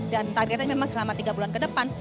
dan targetnya memang selama tiga bulan ke depan